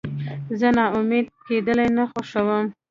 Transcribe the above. زه ناامیده کېدل نه خوښوم.